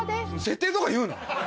設定とか言うな。